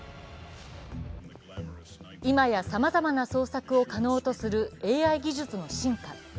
今やさまざまな創作を可能とするＡＩ技術の進化。